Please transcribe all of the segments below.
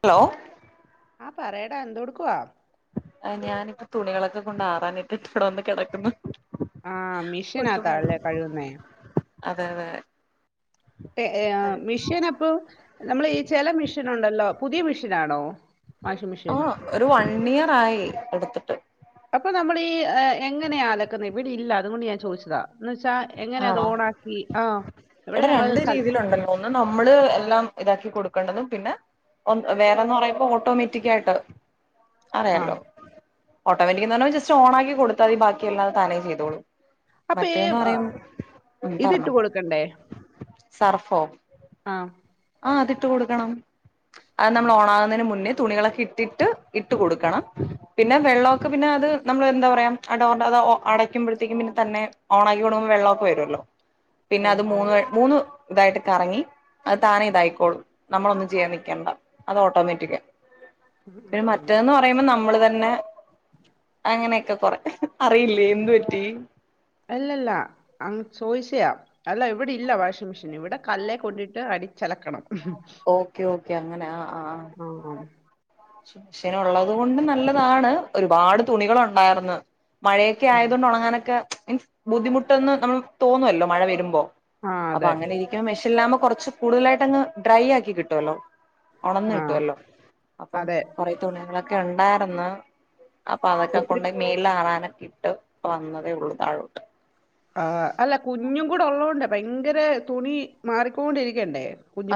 Hello ആ പറയടാ എന്തു കൊടുക്കുവാ ആ ഞാനിപ്പ തുണികളൊക്കെ കൊണ്ടാറാനിട്ടിട്ട് ഇവിടെ വന്ന് കിടക്കുന്നു ആ ഒട്ടും മിഷനാതാ വയ്യ അല്ലേ കഴുവുന്നേ അതെ അതെ ഏ ഏ കഴി മിഷ്യൻ അപ്പൊ നമ്മൾ ഈ ചില മെഷീൻ ഉണ്ടല്ലോ പുതിയ മെഷീനാണോ ആ ഒരു വൺ ഇയർ ആയി എടുത്തിട്ട് അപ്പൊ നമ്മൾ ഈ എങ്ങനെയാ അലക്കുന്നെ? ഇവിടെ ഇല്ല അതുകൊണ്ട് ഞാൻ ചോദിച്ചതാ.. എന്ന് വെച്ചാ എങ്ങനെ അത് ആണോ ഓണാക്കി ആ ഇവിടെ ഞങ്ങൾ രണ്ട് കൽ രീതിയിലുണ്ടല്ലോ ഒന്ന് നമ്മള് എല്ലാം ഇതാക്കി കൊടുക്കേണ്ടതും പിന്നെ, വേറെന്ന് പറയുമ്പോ ഓട്ടോമാറ്റിക് ആയിട്ട് ആ അറിയാല്ലോ.. ഓട്ടോമാറ്റിക് എന്ന് പറഞ്ഞാൽ ജസ്റ്റ് ഓൺ ആക്കി കൊടുത്താൽ മതി ബാക്കിയെല്ലാം അത് താനെ ചെയ്തോളൂം മറ്റേ ഇത് ഇട്ട് കൊടുക്കണ്ടേ സർഫോ ആം ആ അതിട്ടു കൊടുക്കണം അത് ആ നമ്മൾ ഓണാകുന്നതിന് മുന്നേ തുണികളൊക്കെ ഇട്ടിട്ട് ഇട്ട് കൊടുക്കണം. പിന്നെ വെള്ളമൊക്കെ പിന്നെ അത് നമ്മൾ എന്താ പറയാ, ഡോറിന്റെ അത് അടയ്ക്കുമ്പോഴത്തേക്കും പിന്നെ തന്നെ ഓൺ ആക്കി കൊടുക്കമ്പോ വെള്ളമൊക്കെ വരുമല്ലോ ഓ പിന്നെ അത് മൂന്ന് മൂന്ന് ഇതായിട്ട് കറങ്ങി അത് താനേ ഇതായിക്കോളും നമ്മളൊന്നും ചെയ്യാൻ നിക്കേണ്ട അത് ഓട്ടോമാറ്റിക്കാ ഉം, ഉം, പിന്നെ ഉം. മറ്റേതെന്ന് പറയുമ്പോ നമ്മള് തന്നെ ന്നെ അങ്ങനെയൊക്കെ കൊറെ അറിയില്ലേ എന്ത് പറ്റി അല്ലല്ല അങ്ങ് ചോയിച്ചയാ അല്ല ഇവിടെ ഇല്ല വാഷിംഗ് മെഷീൻ ഇവിടെ കല്ലേ കൊണ്ടിട്ട് അടിച്ചലക്കണം. ഓക്കെ ഓക്ക് ക്കെ അങ്ങനെ ആ ആം മെഷീൻ ഉള്ളത് കൊണ്ട് നല്ലതാണ് ഒരുപാട് തുണികൾ ഒണ്ടാർന്ന് മഴയൊക്കെ ആ ആയതുകൊണ്ട് ഉണങ്ങാനൊക്കെ മീൻസ് ബുദ്ധിമുട്ടൊന്ന് നമ്മക്ക് തോന്നൊല്ലോ മഴ വെരുമ്പോ ആ അപ്പൊ അതെ അങ്ങനെ ഇരിക്കു മെശല്ലാമ കൊർച്ച് കൂടുതലായിട്ടങ് ഡ്രൈ യാക്കി കിട്ടൊല്ലോ ആ ഒണന്ന് കിട്ടൊല്ലോ അപ്പം അതെ കൊറെ തുണിങ്ങളൊ ക്കെ ഇണ്ടായിര്ന്ന് അപ്പൊ അതൊക്കെ ഒത്തിരി കൊണ്ടോയി മേലാറാന ഇട്ട് വന്നതേയുള്ളു താഴോട്ട് ആഹ് അല്ല കുഞ്ഞും കൂടെ ഉള്ളോണ്ട് ഭയങ്കരെ തുണി മാറിക്കോണ്ടിരിക്കെണ്ടേ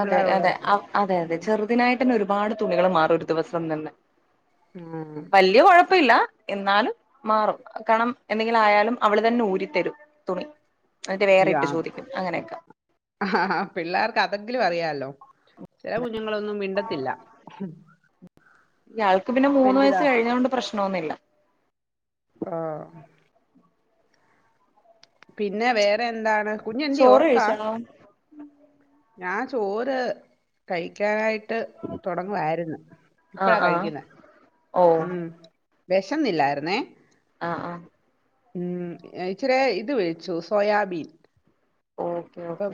അതെ അതെ അപ് അതെയതെ ചെറുതിനായി ട്ടന്നെ ഒരുപാട് തുണികള് മാറും ഒരു ദിവസം തന്നെ ഉം. വല്ല്യാ കൊഴപ്പയില്ല എന്നാലും മാറും കാണം എന്തെങ്കിലായാലും അവള് തന്നെ ഊരിത്തരും തുണി ന്ന്ട്ട് അയ്യോ, വേറെയിട്ട് ചോദിക്കും അങ്ങനെയൊക്ക ക്ക് അതെങ്കിലും അറിയാലോ ചെല കുഞ്ഞ്ങ്ങളൊന്നും മിണ്ടത്തില്ലാ ഇയാൾക്ക് പിന്നെ മൂന്ന് വയസ്സ് കഴിഞ്ഞോണ്ട് പ്രശ് നൊന്നില്ല ആ പിന്നെ വേറെ വെന്താണ് കുഞ്ഞന്തേ ചോറ് ഒർക്കാ കഴിച്ചാണോ ഞാൻ ചോറ് കഴിക്കാനായിട്ട് ട്ട് തുടങ്ങുവായിരുന്നു ഇപ്പഴാ ആഹ് ആഹ് കഴിക്കുന്നേ ഓ ഉം വെശന്നില്ലാര്ന്നേ ആഹ് ആഹ് ഉം ഏ ഇച്ചിരിയെ ഇത് വേവിച്ചു സോയാബീൻ ഓക്കെ ഓക്കെ അപ്പം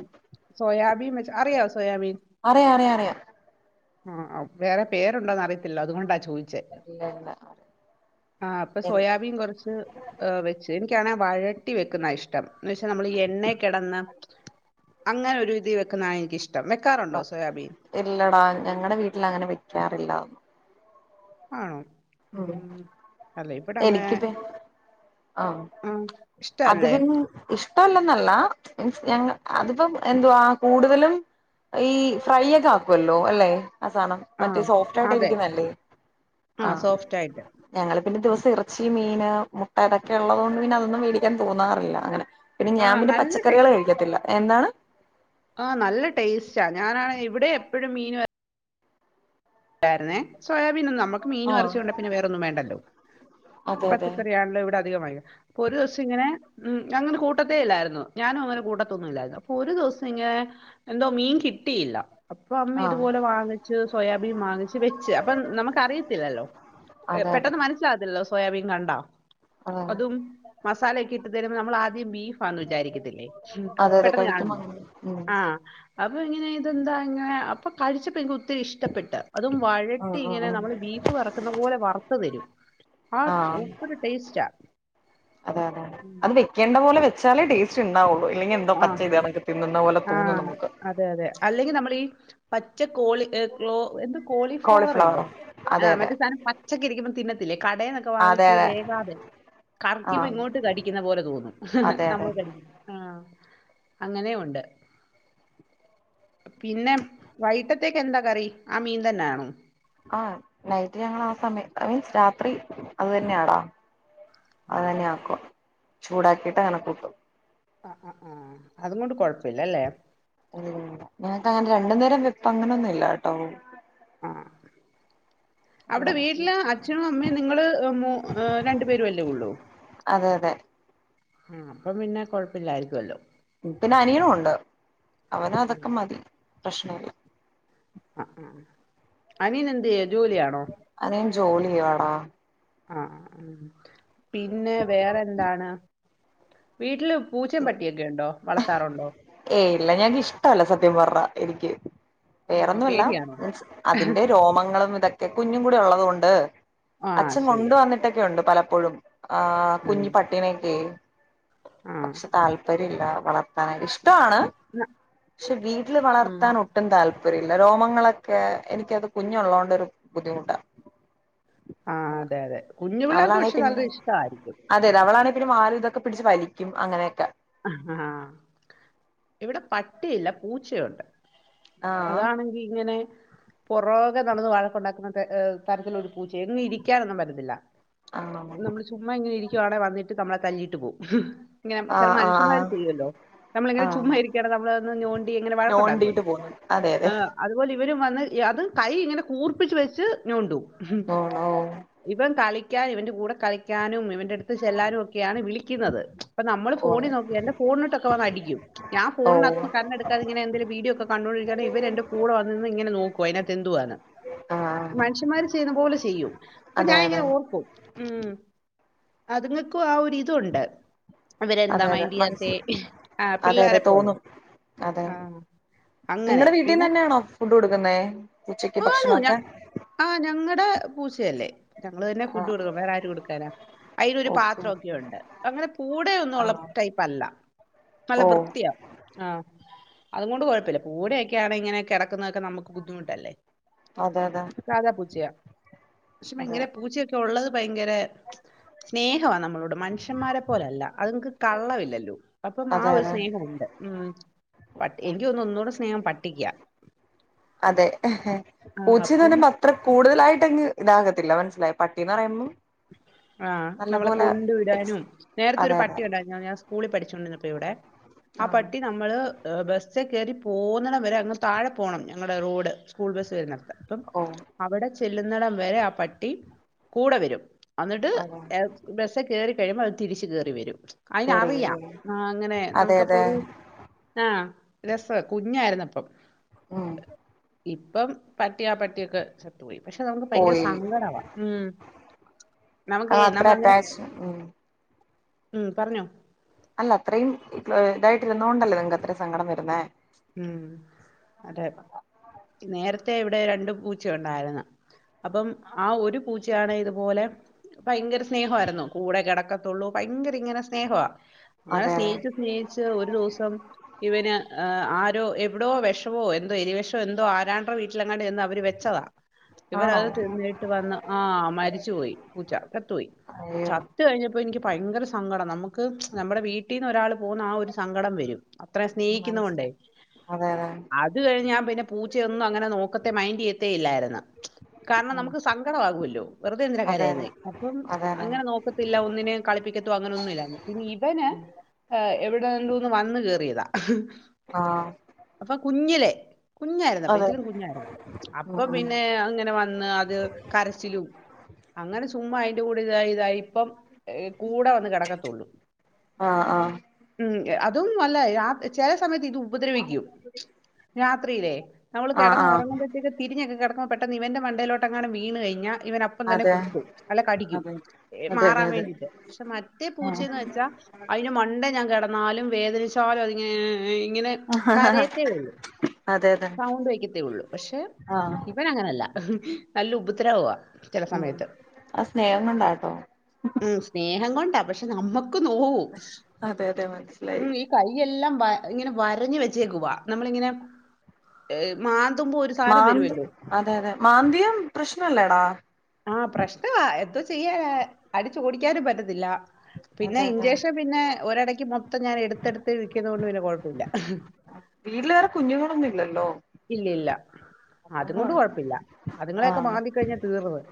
സോയാബീൻ വെച്ച് അറിയോ സോയാബീൻ അറിയാം അറിയാം അറിയാം ആഹ് വേറെ പേരുണ്ടോന്ന് അറിയത്തില്ല അതുകൊണ്ടാ ചോദിച്ചേ ഇല്ല ഇല്ല ആഹ് അപ്പൊ എനി സോയാബീൻ കൊറച്ച് വെച്ച് എനിക്കാണേ വഴ കൂട്ടി വെക്കുന്നാ ഇഷ്ടം എന്ന് വെച്ചാ നമ്മള് ഈ എണ്ണെ കിടന്ന് അങ്ങനെ ഒരു ഇതില് വെക്കുന്നതാണ് എനിക്ക് ഇഷ്ടം ആ ഇല്ലടാ ഞങ്ങളടെ വീട്ടിൽ അങ്ങനെ വെക്കാറില്ല. ആണോ? ഉം അല്ല ഇവിടെ അങ്ങനെ എനിക്കിപ്പ ആഹ് അത് പിന്ന ഇഷ്ടല്ലന്നല്ല മീൻസ് ഞങ്ങ അതിപ്പം എന്തുവാ കൂടുതലും ഈ ഫ്രൈ ഒക്കെ ആക്കുമല്ലോ അല്ലേ? ആ സാനം മറ്റേ ആഹ് സോഫ്റ്റ് ആയിട്ട് അതെ ഇരിക്കുന്നല്ലേ? ആഹ് സോഫ്റ്റ് ആയിട്ട്. ഞങ്ങള് പിന്നെ ദിവസം ഇറച്ചി, മീന്, മുട്ട ഇതൊക്കെ ഉള്ളത് കൊണ്ട് പിന്നെ അതൊന്നും മേടിക്കാൻ തോന്നാറില്ല അങ്ങനെ. പിന്നെ ഞാൻ ആഹ് പിന്നെ നല്ല ടേ പച്ചക്കറികൾ കഴിക്കത്തില്ല, എന്താണ്? ആഹ് നല്ല ടേസ്റ്റാ ഞാനാണെ ഇവിടെ എപ്പോഴും മീനും എ രുന്നേ സോയാബീൻ ഒന്നും നമ്മുക്ക് മീനും ആഹ് എറച്ചിയൊണ്ടേ വേറൊന്നും വേണ്ടല്ലോ അതെ അതെ പച്ചക്കറി ആണല്ലോ ഇവിടെ [unintelligible] അപ്പോ ഒരു ദിവസം ഇങ്ങനെ ഉം അങ്ങനെ കൂട്ടത്തേ ഇല്ലായിരുന്നു ഞാനും അങ്ങനെ കൂട്ടത്തൊന്നും ഇല്ലായിരുന്നു അപ്പൊ ഒരു ദിവസം ഇങ്ങനെ എന്തോ മീൻ കിട്ടിയില്ല. അപ്പൊ അമ്മ ആഹ് ഇതുപോലെ വാങ്ങിച്ചു സോയാ വാങ്ങിച്ച് വെച്ച് നമുക്കറിയത്തില്ലല്ലോ അതെ അതെ പെട്ടെന്ന് മനസിലാവത്തില്ല. സോയാബീൻ കണ്ടോ? അതെ അതും മസാല ഒക്കെ ഇട്ട് തരുമ്പോ നമ്മളാ ആദ്യം ബീഫാന്ന് വിചാരിക്കത്തില്ലേ അതെ അതെ പെട്ടെന്ന് കഴിക്കുമ്പോ കാണുമ്പോ അങ്ങനെ ഉം ആഹ് അപ്പൊ ഇങ്ങനെ ഇതെന്താ ഇങ്ങനെ അപ്പൊ കഴിച്ചപ്പോ എനിക്ക് ഒത്തിരി ഇഷ്ടം ട്ട് അതും ആഹ് വഴട്ടി ഇങ്ങനെ ആഹ് നമ്മൾ ബീഫ് വറക്കുന്ന പോലെ വറുത്ത തരും ആ ആഹ് ആഹ് സൂപ്പർ ടേസ്റ്റ് ആ ച്ചാലെ ടേസ്റ്റ് ഉണ്ടാവുള്ളു. അല്ലെങ്കി എന്തോ പച്ച ചെയ്താണൊക്കെ തിന്നുന്ന പോലെ തോന്നും ആഹ്. നമുക്ക്. അതെ അതെ. അല്ലെങ്കി നമ്മളീ പച്ച കോളി എന്ത് കോളിഫ്ലവർ ഇല്ലേ കോളിഫ്ലവറോ ആ അതെ അതെ മറ്റേ സാധനം പച്ചക്കെ ഇരിക്കുമ്പം തിന്നത്തില്ലേ കടന്നൊക്കെ അതെ വാങ്ങിച്ചത് അതെ വേകാതെ കറിക്കുമ്പോ ആഹ് ഇങ്ങോട്ട് കടിക്കുന്ന പോലെ തോന്നും അതെ അതെ നമ്മള് കടിക്ക ആ അങ്ങനെയും ഉണ്ട് പിന്നെ വൈട്ടത്തേക്ക് എന്താ കറി ആ മീൻ തന്നാണോ? ആ നൈറ്റ് ഞങ്ങളാ സമയം മീൻസ് രാത്രി അത് തന്നെയാടാ. ആഹ് അതന്നെ ആക്കും. ചൂടാക്കിട്ട് അങ്ങന കൂട്ടും. ആ ആ ആ അതുങ്ങൊണ്ട് കൊഴപ്പില്ലല്ലേ? എനക്ക് അങ്ങനെ രണ്ടു നേരം വെപ്പ് അങ്ങനൊന്നും ഇല്ലാ ട്ടോ. ആ അവിടെ ഉള്ളത് വീട്ടില് അച്ഛനും അമ്മയും നിങ്ങള് മ രണ്ടു പേരു അല്ലേ ഉള്ളൂ? അതെ അതെ ആ അപ്പം പിന്നെ കൊഴപ്പില്ലായിരിക്കുമല്ലോ പിന്നെ അനിയനും ഒണ്ട് അവനും ആഹ് അതൊക്കെ മതി. [unintelligible] ആഹ ആ അനിയൻ എന്തോ അനൻ ജോലി ചെയ്യാടാ ആ പിന്നെ വേറെ എന്താണ് വീട്ടിലും പൂച്ചയും പട്ടിയൊക്കെ ഉണ്ടോ വളർത്താറുണ്ടോ ഏയ് ഇല്ല ഞക്ക് ഇഷ്ടമല്ല സത്യം പറഞ്ഞ എനിക്ക് ആണോ വേറൊന്നുമല്ല പേടിയാണോ മീൻസ് അതിന്റെ രോമങ്ങളും ഇതൊക്കെ ക കുഞ്ഞും കൂടി ഉള്ളത കൊൊണ്ട് ആഹ് അച്ഛൻ കൊണ്ട ശരിയാ വന്നിട്ടൊക്കെ ഉണ്ട് പല എപ്പോഴും ആ് ഉം കുഞ്ഞി പട്ടിണക്ക് ആഹ് പക്ഷെ താല്പര്യം ഇല്ല വളർത്താനായി ഇഷ്ടം ഇഷ്ടമാണ് ന്ന പക്ഷെ വീട്ടില് ഉം വളർത്താൻ ഒട്ടും താല്പര്യം താല്പര്യമല്ല രോമങ്ങളൊക്കെ എനിക്കത് കുഞ്ഞള്ളത കൊണ്ട ഒരു ബുദ്ധിമുട്ടാണ് ആ അതെ അതെ കുഞ്ഞു പിള്ളേരുടെ പക്ഷെ നല്ല ഇഷ്ടമായിരിക്കും പി മാറി ഇതക്കെ പിടിച്ചച്ച് വലും ും അങ്ങനെയൊക്കെ ആഹ ഇവിടെ പട്ടിയില്ല പൂച്ചയുണ്ട് ആഹ് അതാണെങ്കി ഇങ്ങനെ പുറൊകെ നടന്ന് വഴക്കുണ്ടാക്കുന്നത് തരത്തിലൊരു പൂച്ച എങ്ങും ഇരിക്കാനൊന്നും വരത്തില്ല ആഹ് നമ്മള് ചുമ് ഇങ്ങനെ ഇരിക്കവാണെ വന്നിട്ട് നമ്മള കല്ലിട്ട് പോ ആഹ് ആഹ് മനുഷ്യന്മാര് ആഹ് ചെയ്യുവല്ലോ നമ്മള എങ്ങനെ ആഹ് ചുമ്രിക്കണം നമ്മള നോണ്ടി എങ്ങനെ നോണ്ടിട്ട് വഴക്കുണ്ടാക്കുമല്ലോ പോന്നു അതെ അതെ അപോലെ ഇവരും വന്ന് അത് കൈ ഇങ്ങനെ കൂർപ്പിച്ച് വെച്ച് ോണ്ടു ഉ ഓ ഓ ഇപ്പ കാളി ളിക്കാനും ഇവന്റെ കൂടെ കളിക്കാനും ഇവറെ അടുത്ത് ചെല്ലാനും ഒക്കെയാണ് വിളിക്കുന്നത് ഓ ഫോണി നോക്കിന്റെ ഫോണിട്ടൊക്കെ വ അടിക്ക ഞാൻ ഓ ഫോണന് അത്ത് കണ്ണെടുക്കാെ ഇങ്ങെ എന്തെങ്കിലും വീഡിയോ ഒക്കെ കണ്ട്ുകണ്ടിിക്കാണ് ഇവരെ എന്റെ കൂടെ വന്ന നിന്ന് ഇങ്ങനെ നോക്കു അതിനത്ത് എന്തുവാണ് ആഹ് മനുഷ്യന്മാര് ചെയ്യുന്ന പോലെ ചെയ്യും അപ്പൊ അതെ ഞാാന അതെ ഇങ്ങനെ ഓർക്കും ഉ അതുങ്ങൾക്കും ആ ഒരിതു ഉണ്ട് അതെ അതെ മ അതെ അതെ പിള്ളേരെ പോലെ തോന്നും അതെ ആ നിങ്ങളടെ വീട്ടിൽന്ന് തന്നെയാണോ ഫുഡ് കൊടുക്കുന്നേ ഉച്ചക്ക് ആണ് ഞ ഭക്ഷണൊക്കെ ആ ഞങ്ങളുടെ പൂച്ച എല്ലേ ഞങ്ങള് തന്നെ ആ ഫുഡ് കൊടുക്കും വേറെ ആരു കൊടുക്കാനാ അയ്നൊരു ഓക്കെ പാത്രം ഒക്കെ ഓക്കെ ഒണ്ട് അങ്ങനെ കൂടെ ഒന്നും ആ ഉള്ള ടൈപ്പല്ല നല്ല ഓ വൃത്തിയാ ആഹ് അതുകൊണ്ട് കുഴപ്പല്ല്യ കൂടെ ഒക്കെയാണ് ഇങ്ങനെ കിടക്കുന്നതൊക്കെ നമ്മക്ക് ബു ബുദ്ധിമുട്ടല്ലേ അതെ അതെ സാധാ പൂച്ചയാ പക്ഷേ അതെ ഭയങ്കര പൂച്ചയൊക്കെ ഉള്ളത് ഭയങ്കര സ്നേഹവാ നമ്മ നമ്മളോട് മനുഷന്മാരെ പോലല്ല അത്ങ്ങക്ക് കള്ളവില്ലല്ലോ അപ്പം അതെ ആഹ് ഒരു അതെ സ്നേഹ ഉണ്ട് ഉം പ എനിക്ക് ഒന്ന് ഒന്നൂടെ സ്നേഹം പട്ടിക്കാ അതെ എഹ് ആഹ് പൂ പൂച്ചനൊരു പത്രക് കൂടുതലായിട്ടങ്ങ് ഇണ്ടാകത്തില്ല മനസ്സിലായൊ പട്ടിന്നറയുമ്പോ ആഹ് നമ്മളെ കൊണ്ടു എക്സ് വിടാനും നേരത്തെ ഒരു അതെ അതെ പട്ടിഉണ്ടായിന്നു ഞ ഞാൻ സ്കൂളിൽ പഠിച്ചോണ്ടിന്നപ്പോ എവിടെ ആ ആഹ് പട്ടി നമ്മള് എഹ് ബെസ് ബസ്സേകേറി പോന്നണം വരെ അങ്ങ് സ്താഴെ പോണം ഞങ്ങടെ റോഡ് സ്കൂൾബസ് വരുന്നെട്ത്ത് പ്പം ഓ അവടെ ചെല്ലുന്നടം വരെ ആഹ് പട്ടി കൂടെ വരും അന്ന്ട്ട് അതെ എപ് ബസ്സേകേറി പെരം വളർത്തി ടിച്ച് കേറി വെരും കേറി വരും അയ്നറിയാം ഉം ആഹ് അങ്ങനെ അതെ അതെ നമുക്കപ്പൊരു ആഹ് രസ കുഞ്ഞായിരുന്നപ്പം ഉം ഇപ്പം പട്ടിയാ ആ പട്ടിയൊക്കെ ച ത്തു പോയി. പക്ഷെ നമുക്ക് ഭയങ്കര പോയി സങ്കടവാ ഉമ് ക്കാത്ര അറ്റാച്ച് ഉം പറഞ്ഞോ അല്ല അത്രയും ഇതായിട്ടിരുന്നോണ്ടല്ലേ നിങ്ങക് അത്രയും സങ്കടം വരുന്നേ ഉം അതെ നേരത്തെ ഇവിടെ രണ്ടു പൂച്ച ഉണ്ടായിരുന്ന അപ്പം ആഹ് ഒരു പൂച്ചയാണ് ഇതുപോലെ ഭയങ്കര സ്നേഹവായിരുന്നു. കൂടെ കെടക്കും ത്തുള്ളൂ ഭയങ്കര ഇങ്ങനെ സ്നേഹവാ. അങ്ങനെ അതെ സ്നേഹിച്ചു അതെ സ്നേഹിച്ച് ഒരു ദിവസം ഇവന് ഏഹ് ആരോ എവിടോ വെഷവോ എന്തോ എലി വെഷവോ എന്തോ ആരാണ്ട്ര വീട്ടിലെങ്ങാണ്ട് ചെന്ന് അവര് വെച്ചതാ. ആണോ ഇവനത് തിന്നിട്ട് വന്ന് ആ മരിച്ചു പോയി പൂച്ച ചത്തുപോയി അയ്യോ ചത്ത് കഴിഞ്ഞ പ്പം എനിക്ക് ഭയങ്കര സങ്കടം നമുക്ക് നമ്മുടെ വീട്ടിന്ന് ഒരാൾ പോകുന്ന ആ ഒരു സങ്കടം വരും അത്രേം സ്നേഹിക്കുന്ന കൊണ്ടേ മനസ്സിലായി അതെ അതെ ഞാൻ പിന്നെ പൂച്ചയൊന്നും അങ്ങനെ നോക്കത്തെ മൈന്റെയ്യത്തെ ഇല്ലായിരുന്നു കാരണം ഉം നമുക്ക് സങ്കടവാവുഅല്ലോ വെറുതെ എന്ദിന അതെ കരയുന്നെ അപ്പം അതെ അതെ അതെ അങ്ങനെ നോക്കത്തില്ല ഒന്നിനേം കളിപ്പിക്കത്തോ അങ്ങനൊന്നുംല്ല പിന്നെ ഇവന് ഉം ഏഹ് എവി ഗാഗുന്ന് വന്ന് കേറിയതാ എഹ് ആഹ് അപ്പ കുഞ്ഞിലേ കുഞ്ഞായിരുന്നപ്പ അതെ ഇതിലും കുഞ്ഞായിരുന്നപ്പ ഉം അപ്പ ഉം പിന്നെ അങ്ങനെ വന്ന് അത് കരച്ചിലും അങ്ങനെ ചുമ്മായി കൂടി ഇതായി തായി ഇപ്പം ഹ് കൂടെ വന്ന് കിടക്കത്തുള്ളൂ ആഹ് ആഹ് ഉം എ അതൊന്നു അല്ല യാ ചെ സമയത് ഇതു രാത്രിയിലേ നമ്മൾ ആഹ് കിടന്ന് ആഹ് ഉറങ്ങുമ്പഴത്തേക്ക് തിരിഞ്ഞങ് കെടക് കൊ പെട്ടന്ന് ഇവന്റെ മണ്ടയിലോട്ട്ങ്ങാനും വീണ് കഴിഞ്ഞ ഇവനപ്പം തന്നെ അതെ കുത്തും അല്ല കടിക്കും അതെ അതെ അതെ മാറാൻ അതെ വേണ്ടിട്ട് പക്ഷെ മറ്റേ ആഹ് പൂച്ചന്ന് വെച്ചാൽ അതിന് മണ്ട ഞാൻ കെട ന്നാലും വേദനിച്ചാലും അതിങ്ങെ നേയ് ഇങ്ങനെ കരയത്തേ ഉള്ളൂ അതെ അതെ സൗണ്ട് വയ്ക്കത്തേ ഉള്ളൂ പക്ഷെ ആഹ് ഇവൻ അങ്ങനെയല്ല നല്ല ഉബദ്രവവാ ഉം ആ സ്നേഹങ്ങണ്ടാട്ടോ അ പക്ഷെ നമ്മക് ക് നോവു അതെ അതെ മനസ്സിലായി ഈ കയെല്ലാം ഇങ്ങനെ വരഞ്ഞു വെച്ചേക്ക് വ നമ്മളിങ്ങനെ മാന് മാന്തി അതെ അതെ മാന്തിയും പ്രശ്നല്ലേടാ ചെയ്യ അടിച്ചു ഓടിക്കാനും പറ്റത്തില്ല പിന്നെ അതെ അതെ ഇൻചേഷൻ പിന്നെ ഒരിടയ്ക്ക് മൊത്തം ഞാൻ എടുത്ത്ടുത്ത് ഇരിക്കുന്ന കൊണ്ട് പിന്നെ കുഴപ്പ ഇല്ല വീട്ടില് വേറെ കുഞ്ഞുങ്ങളൊന്നും ഇല്ലല്ലോ ഇല്ലെല്ല അതും അതുകൊണ്ട് കൊണ്ട് കൊഴപ്പ കുഴപ്പല്ല അതുങ്ങളെയൊക്കെ ആഹ് മാന്തി കഴിഞ്ഞാ തീർന്ന്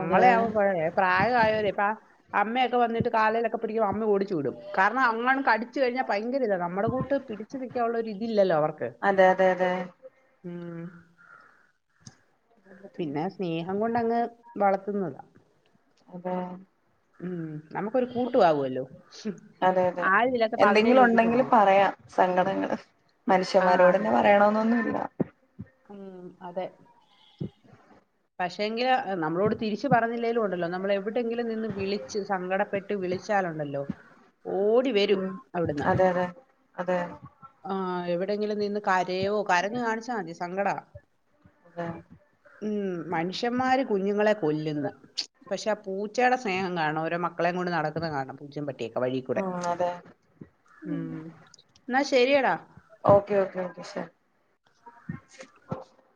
അതെ ആവുമ പ്രായായവരെ പ അമ്മയൊ പ്പ വന്നിട്ട് കാലേലൊക്കെ പിടികുവ അന്ന് ഓടി ത് വിടും കാരണം അങ്ങനും കടിച്ചു കഴിഞ്ഞാ ഭയങ്കര ഇത നമ്മുടെ കൂട് ത് പിടിച്ചു നൽക്കാനുള്ളരിതില്ലല്ലോ അവർക്ക് അതെ അതെ അതെ ഉം പിന്നെ സ്നേഹം കൊണ് ന്നങ്ങ് വളർത്തുന്നതാ അതെ ഉം നമുക്കൊരു കൂട്ടുവാകുവല്ലോ. അതെ അതെ ആരുമില്ലാത്തപ്പോ അതിനെ എന്തെങ്കിലും ഞോണ്ടിക്കൊണ്ടു ഉണ്ടെങ്കില് പോവും. പറയാം സങ്കടങ്ങള് ആഹ് അതെ മനുഷ്യന്മാരോട്ന്നെ പറയണോന്നൊന്നുല്ല ഉം അതെ പക്ഷെ എങ്കില് നമ്മളോട് തിരിച്ചു പറഞ്ഞില്ലേലും ഒണ്ടല്ലോ നമ്മൾ എവിടെയെങ്കിലും നിന്ന് വിളിച്ച് സങ്കടപ്പെട്ട് വിളിച്ചാലുണ്ടല്ലോ ഓടി വരും ഉം അവിട്ന്ന് അതെ അതെ അതെ ആ എവി ടെങ്കിലിം നിന്ന് കാരയോ കരഞ്ഞ് കാണിച്ചാതി സങ്കട അതെ ഉം മനുഷ്യന്മാര് കുഞ്ഞുങ്ങളെ കൊല്ല്ന്ന് പഷേ ആ പൂച്ചേടെ സ്നേഹം കാണോ ഓരോ മ ക്കളേ കൊണ്ട് നടക്ക്ന്നെ കാണം പൂച്ചേ പട്ടിയൊക്കെ വഴീ കൂടെ ഉം അതെ ഉം ന്നാ ശ് ശരിയടാ ഓക്കെ ഓക്കെ ഓക്കെ ശാ